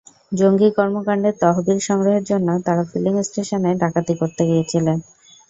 জঙ্গি কর্মকাণ্ডের তহবিল সংগ্রহের জন্য তাঁরা ফিলিং স্টেশনে ডাকাতি করতে গিয়েছিলেন।